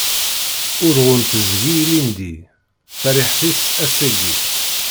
Urɣu n teẓgi ilindi, tariḥt-is, ass-agi.